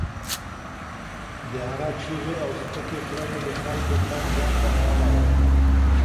د هغه چیغې او سپکې کړنې د خلکو پام ځان ته رااړاوه.